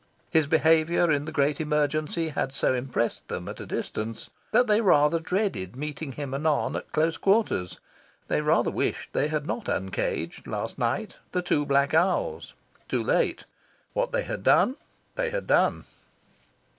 His behaviour in the great emergency had so impressed them at a distance that they rather dreaded meeting him anon at close quarters. They rather wished they had not uncaged, last night, the two black owls. Too late. What they had done they had done.